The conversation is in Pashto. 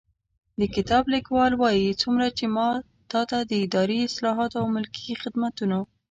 د کتاب لیکوال وايي، څومره چې ما ته د اداري اصلاحاتو او ملکي خدمتونو